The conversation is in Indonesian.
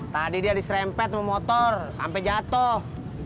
tadi dia diserempet sama motor sampai jatuh